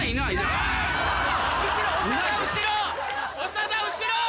長田後ろ！